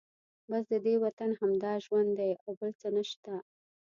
بس ددې وطن همدا ژوند دی او بل څه نشته.